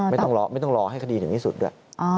ไม่ต้องรอไม่ต้องรอให้คดีถึงที่สุดด้วย